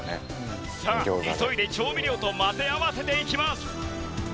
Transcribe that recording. さあ急いで調味料と混ぜ合わせていきます。